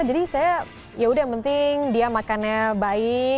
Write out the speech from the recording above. saya yaudah yang penting dia makannya baik